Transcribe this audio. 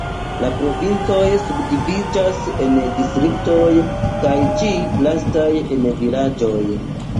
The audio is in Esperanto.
La provincoj subdividiĝas en distriktoj kaj ĉi lastaj en vilaĝoj.